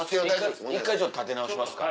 一回立て直しますか。